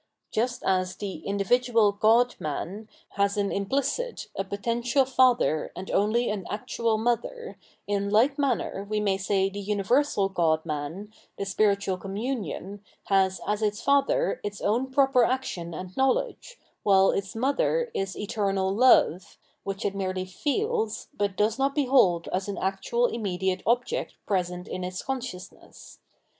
Just as the individual god man * has an implicit, a potential father and only an actual mother, in like manner we may say the universal god man, the spiritual com munion, has as its father its own proper action and knowledge, while its mother is eternal Love, which it merely feels, but does not behold as an actual immediate object present in its consciousness.